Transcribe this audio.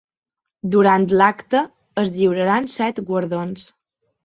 Durant l’acte es lliuraran set guardons.